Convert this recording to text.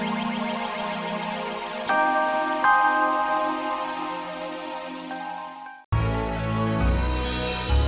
terima kasih alhamdulillah